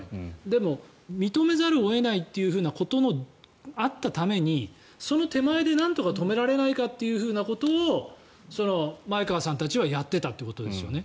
でも認めざるを得ないということがあったためにその手前でなんとか止められないかというふうなことを前川さんたちはやってたということですね。